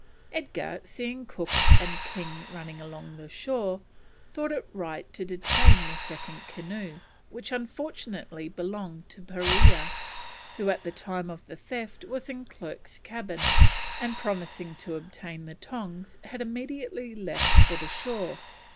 Edgar, seeing Cook and King running along the shore, thought it right to detain the second canoe, which unfortunately belonged to Parea, who at the time of the theft was in Clerke's cabin and, promising to obtain the tongs, had immediately left for the shore.